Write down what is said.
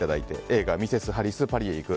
映画「ミセス・ハリス、パリへ行く」